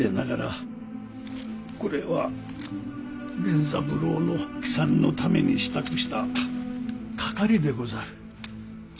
これは源三郎の帰参のために支度した掛かりでござる。